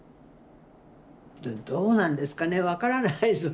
どうなんですかね分からないです。